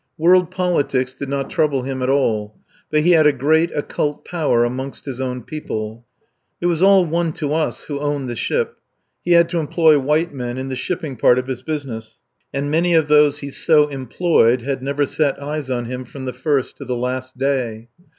World politics did not trouble him at all, but he had a great occult power amongst his own people. It was all one to us who owned the ship. He had to employ white men in the shipping part of his business, and many of those he so employed had never set eyes on him from the first to the last day.